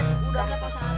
udah nggak masalah